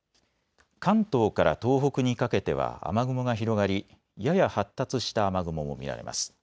関東から東北にかけては雨雲が広がりやや発達した雨雲も見られます。